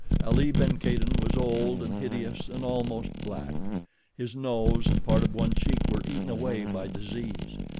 Ali ben Kadin was old and hideous and almost black. His nose and part of one cheek were eaten away by disease.